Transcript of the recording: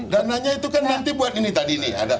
dananya itu kan nanti buat ini tadi nih